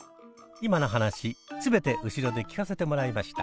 今の話すべて後ろで聞かせてもらいました。